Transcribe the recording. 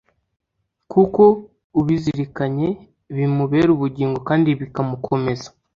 kuko ubizirikanye, bimubera ubugingo kandi bikamukomeza